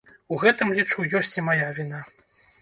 У гэтым, лічу, ёсць і мая віна.